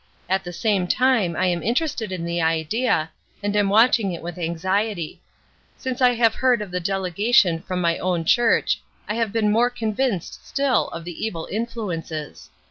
At the same time I am interested in the idea, and am watching it with anxiety. Since I have heard of the delegation from my own church I have been more convinced still of the evil influences.